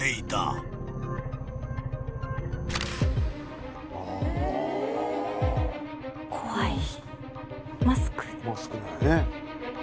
マスクなんやね。